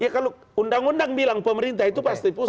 ya kalau undang undang bilang pemerintah itu pasti pusat